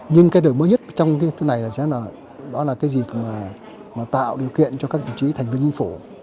nhưng cái đổi mới nhất trong cái thứ này là sẽ là cái gì mà tạo điều kiện cho các chủ trí thành viên nhân phủ